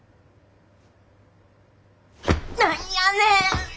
何やねん！